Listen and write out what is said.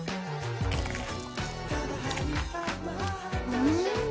うん！